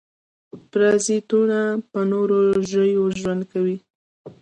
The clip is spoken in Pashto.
پرازیتونه په نورو ژویو ژوند کوي